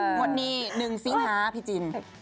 หมวดนี้หนึ่งซีน้าพี่จิน